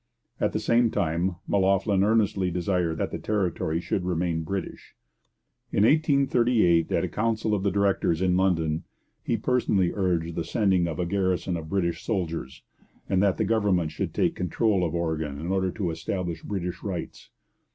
At the same time, M'Loughlin earnestly desired that the territory should remain British. In 1838, at a council of the directors in London, he personally urged the sending of a garrison of British soldiers, and that the government should take control of Oregon in order to establish British rights.